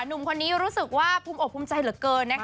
หนุ่มคนนี้รู้สึกว่าภูมิอกภูมิใจเหลือเกินนะคะ